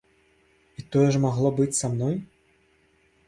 І тое ж магло быць са мной?